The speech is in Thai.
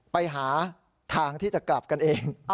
ไปหาทางที่จะกลับกันเอง